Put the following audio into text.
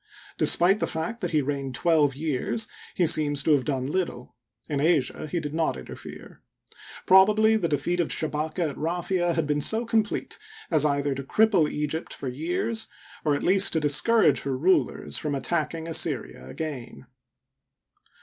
Despite the fact that he reigned twelve years, he seems to have done little. In Asia he did not interifere. Probably the defeat of Shabaka at Raphia had been so complete as either to cripple Egypt for years, or at least to discourage her rulers from attacking Assyria again.